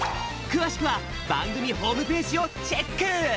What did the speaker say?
くわしくはばんぐみホームページをチェック！